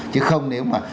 chứ không nếu mà